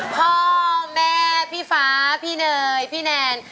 พ่อแม่พี่ฟ้าพี่เนยพี่แนน